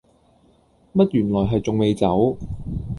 乜原來係仲未走